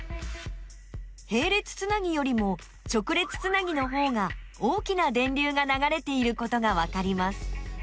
へい列つなぎよりも直列つなぎのほうが大きな電流がながれていることがわかります。